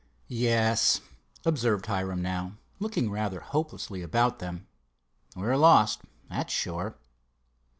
"Yes," observed Hiram now, looking rather hopelessly about them; "we're lost, that's sure."